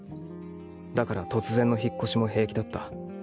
だから突然の引っ越しも平気だった。